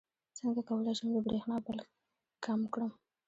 څنګه کولی شم د بریښنا بل کم کړم